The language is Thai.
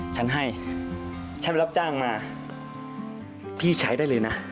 ฉันให้ฉันไปรับจ้างมาพี่ใช้ได้เลยนะ